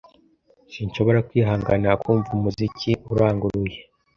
Sinshobora kwihanganira kumva umuziki uranguruye.